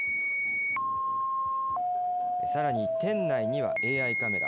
さらに、店内にはＡＩカメラ。